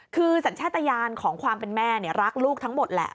คือสัญชาติยานของความเป็นแม่รักลูกทั้งหมดแหละ